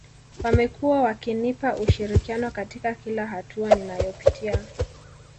Wamekuwa wakinipa ushirikiano katika kila hatua ninayopitia